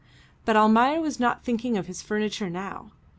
But Almayer was not thinking of his furniture now.